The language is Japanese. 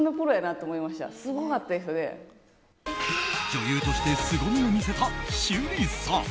女優としてすごみを見せた趣里さん。